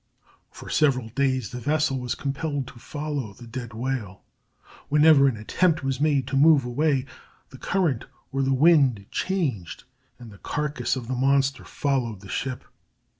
For several days the vessel was compelled to follow the dead whale. Whenever an attempt was made to move away, the current or the wind changed and the carcass of the monster followed the ship.